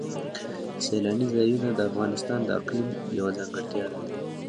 سیلاني ځایونه د افغانستان د اقلیم یوه ځانګړتیا ده.